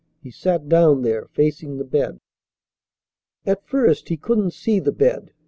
He sat down there, facing the bed. At first he couldn't see the bed.